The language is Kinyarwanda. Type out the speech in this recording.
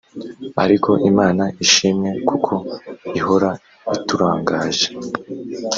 ariko imana ishimwe kuko ihora iturangaje